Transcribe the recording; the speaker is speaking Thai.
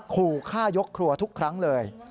ขู่ฆ่ายกครัวทุกครั้งเลย